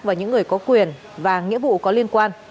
và những người có quyền và nghĩa vụ có liên quan